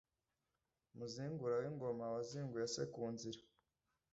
Muzigura w'ingoma Waziguye se ku nzira,